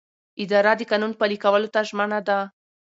اداره د قانون پلي کولو ته ژمنه ده.